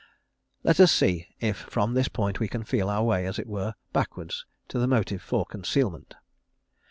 _ Let us see if from this point we can feel our way, as it were, backwards, to the motive for concealment.